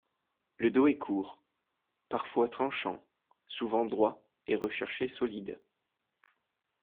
Le dos est court, parfois tranchant, souvent droit et recherché solide.